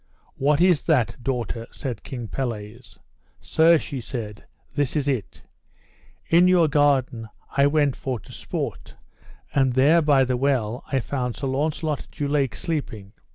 What is that, daughter? said King Pelles. Sir, she said, thus is it: in your garden I went for to sport, and there, by the well, I found Sir Launcelot du Lake sleeping.